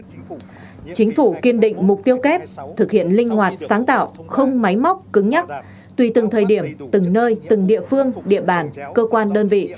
chính phủ kiên định mục tiêu kép thực hiện linh hoạt sáng tạo không máy móc cứng nhắc tùy từng thời điểm từng nơi từng địa phương địa bàn cơ quan đơn vị